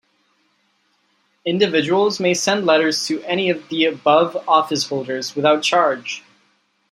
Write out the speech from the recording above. Individuals may send letters to any of the above office-holders without charge.